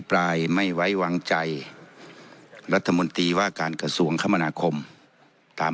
ปลายไม่ไว้วางใจรัฐมนตรีว่าการกระทรวงคมนาคมตาม